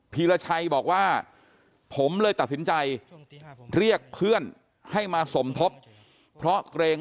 ีรชัยบอกว่าผมเลยตัดสินใจเรียกเพื่อนให้มาสมทบเพราะเกรง